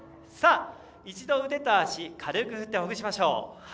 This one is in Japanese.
一度、腕と足軽く振って、ほぐしましょう。